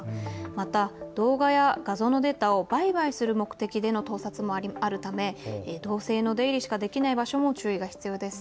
また動画や画像のデータを売買する目的での盗撮もあるため同性の出入りしかできない場所も注意が必要です。